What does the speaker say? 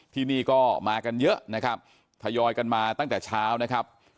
ที่นี่ก็มากันเยอะนะครับทยอยกันมาตั้งแต่เช้านะครับ